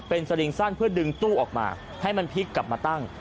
เป็นสลิงสั้นเพื่อดึงตู้ออกมาให้มันพลิกกลับมาตั้ง